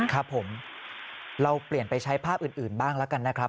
ครับผมเราเปลี่ยนไปใช้ภาพอื่นบ้างแล้วกันนะครับ